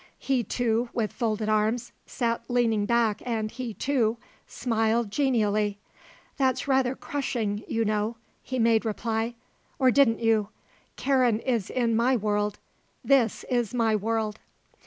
He, too, with folded arms, sat leaning back and he, too, smiled genially. "That's rather crushing, you know," he made reply, "or didn't you? Karen is in my world. This is my world."